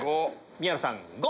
宮野さん「ご」。